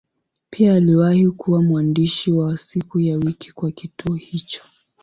Pia aliwahi kuwa mwandishi wa siku ya wiki kwa kituo hicho.